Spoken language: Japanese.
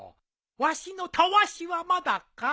わしのたわしはまだか？